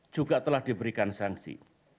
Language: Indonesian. juga telah diberikan sangsi